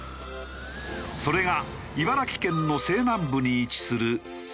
それが茨城県の西南部に位置する境町。